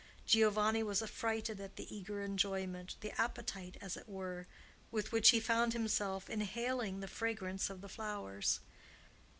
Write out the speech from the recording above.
Giovanni was affrighted at the eager enjoyment—the appetite, as it were—with which he found himself inhaling the fragrance of the flowers.